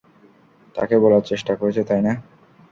তাকে বলার চেষ্টা করেছ, তাই না?